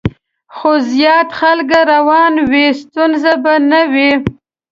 خو زیات خلک روان وي، ستونزه به نه وي.